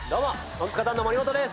トンツカタンの森本です。